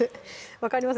分かります